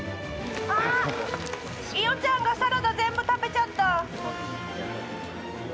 イヨちゃんがサラダ全部食べちゃった。